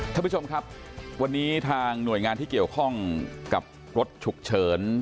ท่านผู้ชมครับวันนี้ทางหน่วยงานที่เกี่ยวข้องกับรถฉุกเฉิน